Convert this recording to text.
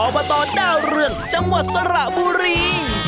อบตดาวเรืองจังหวัดสระบุรี